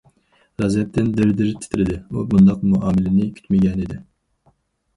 غەزەپتىن دىر- دىر تىترىدى، ئۇ بۇنداق مۇئامىلىنى كۈتمىگەنىدى.